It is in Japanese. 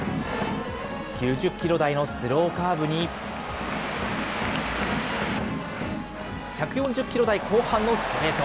９０キロ台のスローカーブに、１４０キロ台後半のストレート。